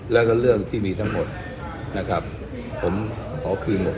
แล้วก็เรื่องที่มีทั้งหมดนะครับผมขอคืนหมด